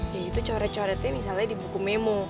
yaitu coret coretnya misalnya di buku memo